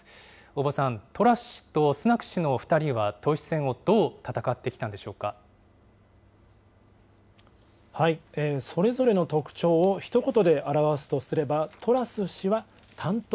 大庭さん、トラス氏とスナク氏の２人は、党首選をどう戦ってきたんでしょうそれぞれの特徴をひと言で表すとすれば、トラス氏は単刀